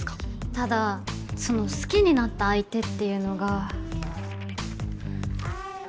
ただその好きになった相手っていうのが。